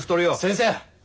先生！